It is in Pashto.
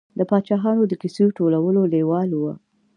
د پاچاهانو د کیسو ټولولو لېواله و.